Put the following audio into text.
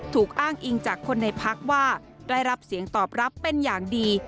ถูกอ้างอิงจากคนในพักว่าได้รับเสียงตอบรับเป็นอย่างดี